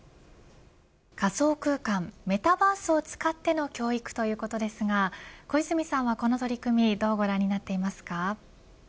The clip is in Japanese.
仮想空間メタバースを使っての教育ということですが小泉さんはこの取り組みどうご覧になっていますか。